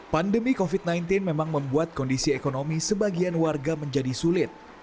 pandemi covid sembilan belas memang membuat kondisi ekonomi sebagian warga menjadi sulit